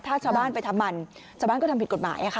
ถ้าชาวบ้านไปทำมันชาวบ้านก็ทำผิดกฎหมายค่ะ